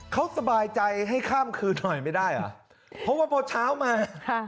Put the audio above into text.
เขาสบายใจให้ข้ามคืนหน่อยไม่ได้เหรอเพราะว่าพอเช้ามา